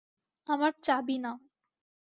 আমার চাবি নাও।